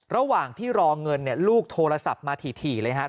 ระหว่างที่รอเงินเนี่ยลูกโทรศัพท์มาถี่เลยครับ